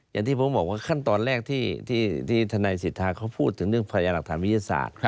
อย่างที่ผมบอกว่าขั้นตอนแรกที่ทนายสิทธาเขาพูดถึงเรื่องพยายามหลักฐานวิทยาศาสตร์